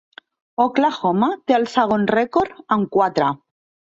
Oklahoma té el segon rècord amb quatre.